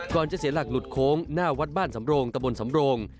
จะเสียหลักหลุดโค้งหน้าวัดบ้านสำโรงตะบนสำโรง